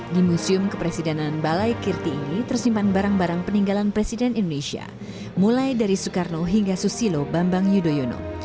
di museum kepresidenan balai kirti ini tersimpan barang barang peninggalan presiden indonesia mulai dari soekarno hingga susilo bambang yudhoyono